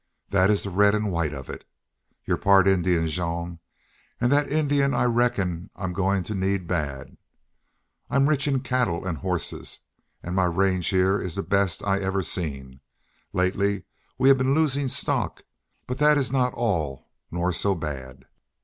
That is the red and white of it. Your part Indian, Jean, and that Indian I reckon I am going to need bad. I am rich in cattle and horses. And my range here is the best I ever seen. Lately we have been losing stock. But that is not all nor so bad.